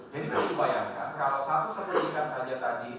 jadi kalian bayangkan kalau satu serbun ikan saja tadi